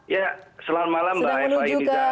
ya selamat malam mbak eva yunita